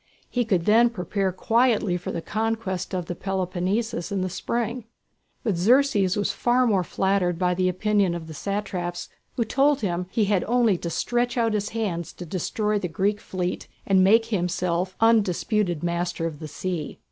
He could then prepare quietly for the conquest of the Peloponnesus in the spring. But Xerxes was more flattered by the opinion of the satraps who told him that he had only to stretch out his hands to destroy the Greek fleet and make himself undisputed master of the sea.